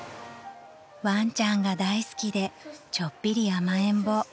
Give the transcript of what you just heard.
［ワンちゃんが大好きでちょっぴり甘えん坊］